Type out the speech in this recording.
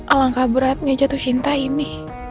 alangkah beratnya jatuh cinta ini